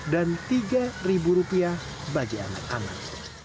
dan tiga rupiah bagi anak anak